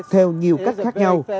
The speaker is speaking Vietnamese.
theo nhiều cách khác nhau